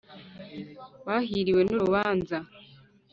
bahiriwe n’urubanza